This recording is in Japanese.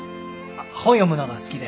本読むのが好きで。